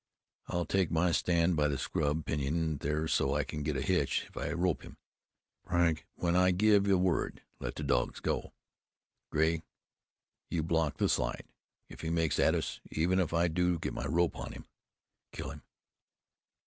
I'll take my stand by the scrub pinyon there so I can get a hitch if I rope him. Frank, when I give the word, let the dogs go. Grey, you block the slide. If he makes at us, even if I do get my rope on him, kill him!